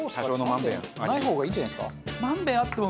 まんべんない方がいいんじゃないですか？